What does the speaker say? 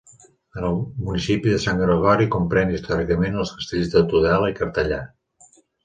El municipi de Sant Gregori comprèn, històricament, els castells de Tudela i Cartellà.